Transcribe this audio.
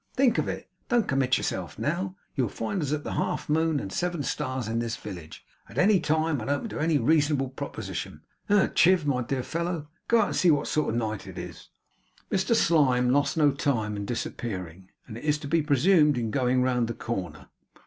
Think of it. Don't commit yourself now. You'll find us at the Half Moon and Seven Stars in this village, at any time, and open to any reasonable proposition. Hem! Chiv, my dear fellow, go out and see what sort of a night it is.' Mr Slyme lost no time in disappearing, and it is to be presumed in going round the corner.